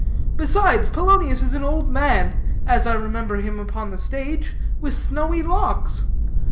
Besides, Polonius is an old man as I remember him upon the stage with snowy locks.